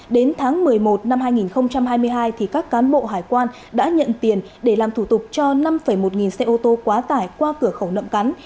đến tháng một mươi một năm hai nghìn hai mươi hai các cán bộ hải quan đã nhận tiền để làm thủ tục cho năm một nghìn xe ô tô quá tải qua cửa khẩu nậm cắn